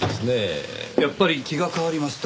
やっぱり気が変わりました。